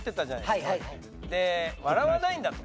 で笑わないんだと。